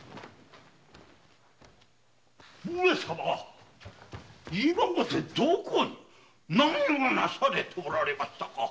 上様⁉今までどこに何をなされておりましたか？